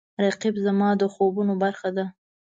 رقیب زما د خوبونو برخه ده